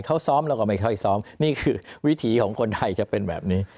เขาซ้อมเราก็ไม่ค่อยซ้อมนี่คือวิถีของคนไทยจะเป็นแบบนี้